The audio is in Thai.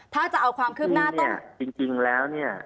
ถ้าจะเอาความคืบหน้าตอนนี้จริงแล้วเนี่ย